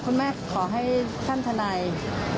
คุณแม่ต้องตามมาก่อนทางต้นที่นิติเวศใช่ไหมคะ